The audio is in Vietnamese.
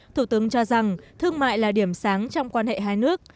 thủ tướng cho rằng thương mại là điểm sáng trong quan hệ hai nước